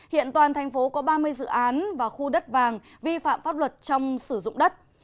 hiện toàn thành phố có ba mươi dự án và khu đất vàng vi phạm pháp luật trong sử dụng đất